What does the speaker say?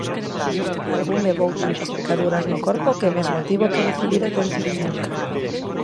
Algún levou tantas picaduras no corpo que mesmo tivo que recibir atención médica.